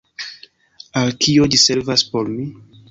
Al kio ĝi servas por mi?